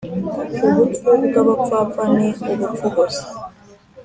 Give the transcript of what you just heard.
ubupfu bw’abapfapfa ni ubupfu gusa